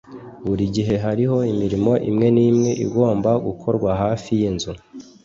burigihe hariho imirimo imwe n'imwe igomba gukorwa hafi yinzu